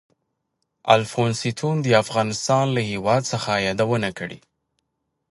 الفونستون د افغانستان له هېواد څخه یادونه کړې.